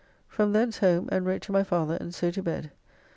From thence home, and wrote to my father and so to bed.